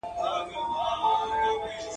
زه بايد درسونه لوستل کړم!!